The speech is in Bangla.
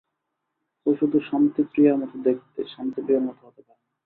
ও শুধু শান্তি প্রিয়ার মতো দেখতে, শান্তি প্রিয়ার মতো হতে পারে না।